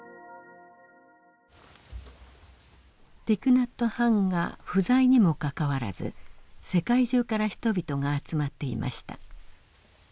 ティク・ナット・ハンが不在にもかかわらず世界中から人々が集まっていました。